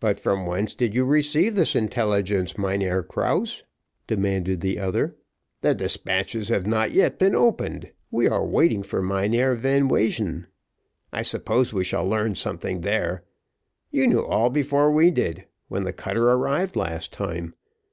"But from whence did you receive this intelligence, Mynheer Krause," demanded the other. "The despatches have not yet been opened; we are waiting for Mynheer Van Wejen. I suppose we shall learn something there. You knew all before we did, when the cutter arrived last time.